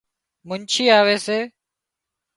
منڇي آوي سي